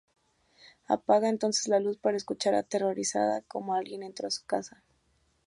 Apaga entonces la luz para escuchar, aterrorizada cómo alguien entra en su casa.